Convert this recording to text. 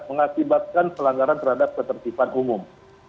mengakibatkan pelanggaran terhadap ketertiban umum